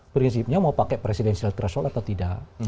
prinsipnya mau pakai presidensial threshold atau tidak